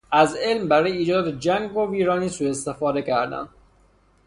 از علم برای ایجاد جنگ و ویرانی سو استفاده کردند.